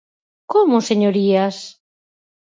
¿Como, señorías?